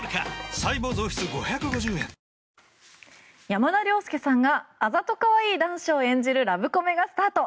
山田涼介さんがあざと可愛い男子を演じるラブコメがスタート。